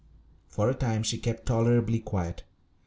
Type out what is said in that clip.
_] For a time she kept tolerably quiet.